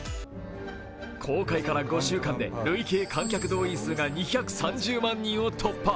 公開から５週間で累計観客動員数が２３０万人を突破。